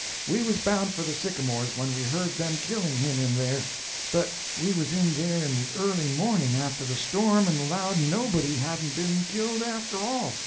We was bound for the sycamores when we heard them killing him in there; but we was in there in the early morning after the storm and allowed nobody hadn't been killed, after all.